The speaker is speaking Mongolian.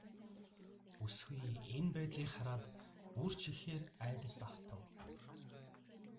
Бүсгүй энэ байдлыг хараад бүр ч ихээр айдаст автав.